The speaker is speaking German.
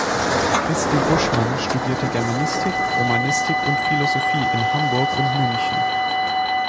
Christel Buschmann studierte Germanistik, Romanistik und Philosophie in Hamburg und München.